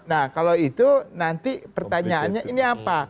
nah kalau itu nanti pertanyaannya ini apa